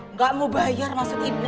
nggak mau bayar masuk ibu